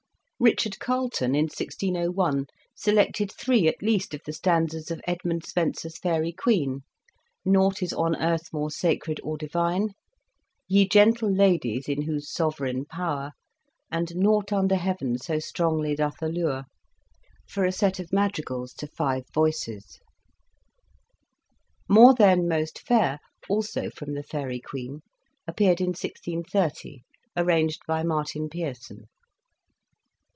Richard Carlton, in 1601, selected three at least of the stanzas of Edmund Spenser's " Faerie Queene, " "Nought is on earth more sacred or divine," " Ye gentle ladies in whose soveraine powre," and " Nought under heaven so strongly doth allure," for a set of " Mad rigals to five voices;" "More then most faire " also from the "Faerie Queene," appeared in 1630, arranged by Martin Peerson.